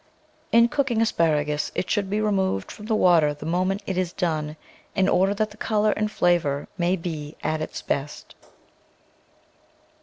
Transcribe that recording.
In cooking asparagus, it should be removed from the water the moment it is done in order that the colour and flavour may be at its best.